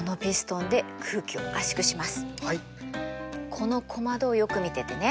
この小窓をよく見ててね。